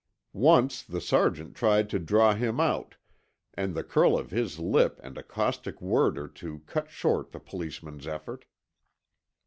Once the sergeant tried to draw him out and the curl of his lip and a caustic word or two cut short the Policeman's effort.